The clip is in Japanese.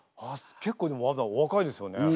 結構でもまだお若いですよね？